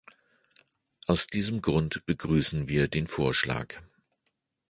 Aus diesem Grund begrüßen wir den Vorschlag.